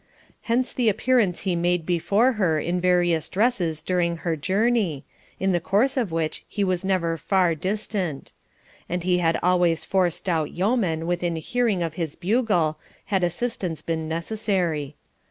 Hence the appearance he made before her in various dresses during her journey, in the course of which he was never far distant; and he had always four stout yeomen within hearing of his bugle, had assistance been necessary.